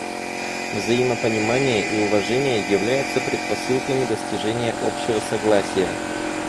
Взаимопонимание и уважение являются предпосылками достижения общего согласия.